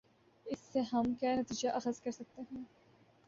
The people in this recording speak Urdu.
اس سے ہم کیا نتیجہ اخذ کر سکتے ہیں۔